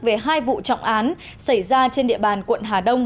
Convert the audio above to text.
về hai vụ trọng án xảy ra trên địa bàn quận hà đông